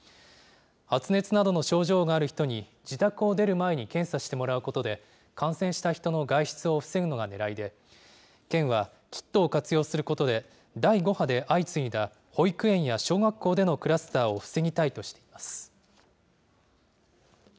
発熱などの症状がある人に、自宅を出る前に検査してもらうことで、感染した人の外出を防ぐのがねらいで、県は、キットを活用することで、第５波で相次いだ保育園や小学校でのクラスターを防ぎたいとしています。